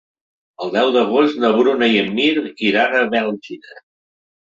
El deu d'agost na Bruna i en Mirt iran a Bèlgida.